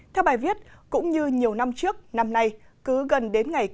theo bài viết cũng như nhiều năm trước năm nay